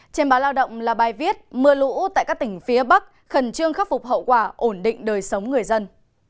trên báo lao động là bài viết mưa lũ tại các tỉnh phía bắc khẩn trương khắc phục hậu quả ổn định đời sống người dân